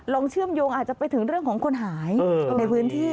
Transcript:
เชื่อมโยงอาจจะไปถึงเรื่องของคนหายในพื้นที่